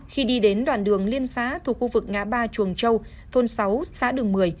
khi đi đến đoạn đường liên xã thuộc khu vực ngã ba chuồng châu thôn sáu xã đường một mươi